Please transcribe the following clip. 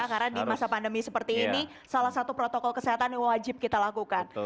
karena di masa pandemi seperti ini salah satu protokol kesehatan yang wajib kita lakukan